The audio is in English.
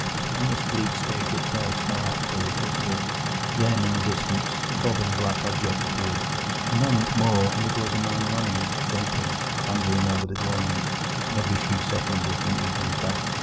On this bleak stage at first no actor was visible. Then, in the distance, a bobbing black object appeared; a moment more, and it was a man running, jumping, clambering over the groynes, and every few seconds looking eagerly back.